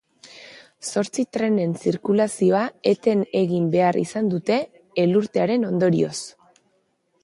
Zortzi trenen zirkulazioa eten egin behar izan dute elurtearen ondorioz.